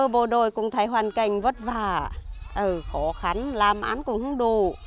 bộ đội cũng thấy hoàn cảnh vất vả khổ khắn làm án cũng đủ